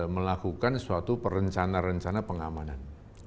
melakukan suatu perencana rencana pengamanan